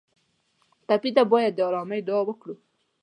ټپي ته باید د ارامۍ دعا وکړو.